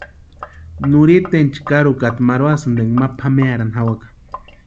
Nurhiteni chkarhukata marhuasïnti énka ma pʼamearhani jawaka.